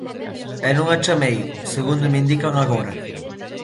E non a chamei, segundo me indican agora.